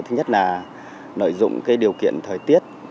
thứ nhất là nợi dụng điều kiện thời tiết